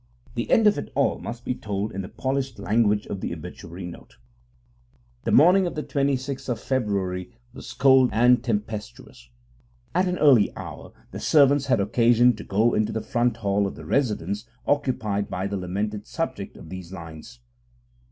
The end of it all must be told in the polished language of the obituary notice: The morning of the 26th of February was cold and tempestuous. At an early hour the servants had occasion to go into the front hall of the residence occupied by the lamented subject of these lines.